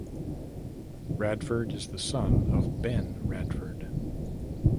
Radford is the son of Ben Radford.